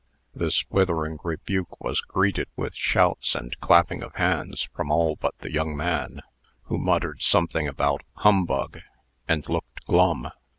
This withering rebuke was greeted with shouts and clapping of hands from all but the young man, who muttered something about humbug, and looked glum.